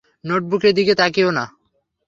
নোটবুকের দিকে তাকিও না।